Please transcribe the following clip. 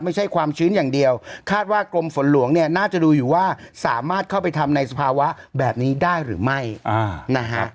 ความชื้นอย่างเดียวคาดว่ากรมฝนหลวงเนี่ยน่าจะดูอยู่ว่าสามารถเข้าไปทำในสภาวะแบบนี้ได้หรือไม่นะฮะ